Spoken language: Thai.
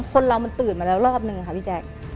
คนเรามันตื่นมาแล้วรอบนึงค่ะพี่แจ๊ค